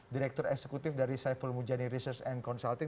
direktur eksekutif dari saiful mujani research and consulting